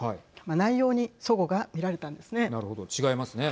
内容にそごが見られたんですね。